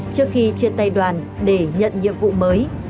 trước khi chia tay đoàn để nhận nhiệm vụ mới